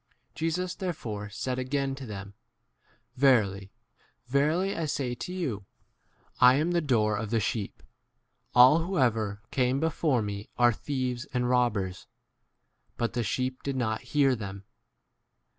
Jesus therefore said again to them, Verily, verily, I say to you, I * am 8 the door of the sheep. All who ever came before me are thieves and robbers ; but the sheep did 9 not hear them.